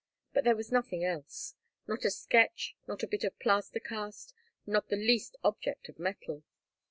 But there was nothing else not a sketch, not a bit of a plaster cast, not the least object of metal.